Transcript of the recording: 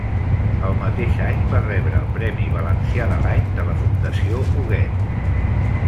El mateix any va rebre el Premi Valencià de l'Any de la Fundació Huguet.